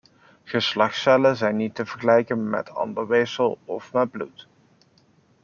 Geslachtscellen zijn niet te vergelijken met andere weefsels of met bloed.